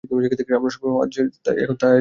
আমার সবসময় যা হওয়ার কথা ছিল তা এখন হয়েছি আমি।